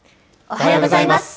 おはようございます。